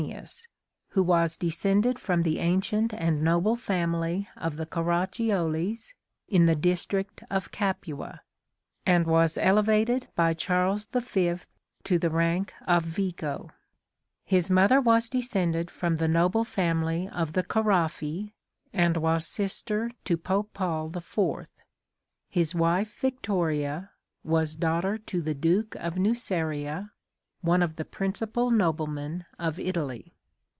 XVI TRANSLATOR S PREFACE. father's name was Calantonius, who was descended from the ancient and noble family of the Caracciolies in the district of Capua, and was elevated by Charles the Fifth to the rank of Vico. His mother was descended from the noble family of the Caraffi, and was sister to Pope Paul the Fourth. His wife, Victoria, was daughter to the Duke of Nuceria, one of the principal noblemen of Italy.